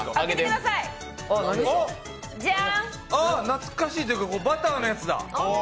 懐かしいというかバターのやつだ。